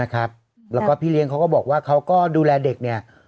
แล้วก็พี่เลี้ยงเขาก็บอกว่าเขาก็ดูแลเด็กเนี่ย